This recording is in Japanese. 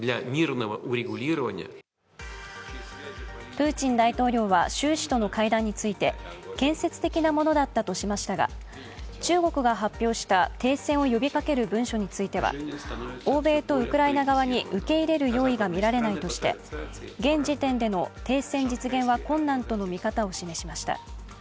プーチン大統領は習氏との会談について、建設的なものだったとしましたが、中国が発表した停戦を呼びかける文書については欧米とウクライナ側に受け入れる用意が見られないとして、現時点での停戦実現は困難との見方を示しました。